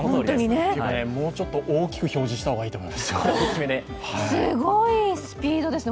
もうちょっと大きく表示した方がいいと思いますよ。